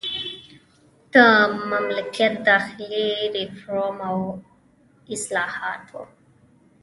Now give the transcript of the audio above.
د مملکت داخلي ریفورم او اصلاحات وو.